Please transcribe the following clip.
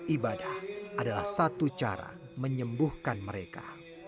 ibadah adalah satu cara menyembuhkan mereka